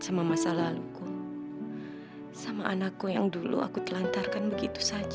iya soalnya wajahnya mirip banget kak